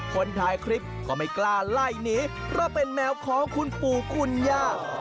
คนถ่ายคลิปก็ไม่กล้าไล่หนีเพราะเป็นแมวของคุณปู่คุณย่า